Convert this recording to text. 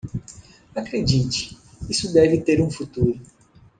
Acredite, isso deve ter um futuro